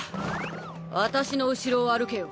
私の後ろを歩けよ。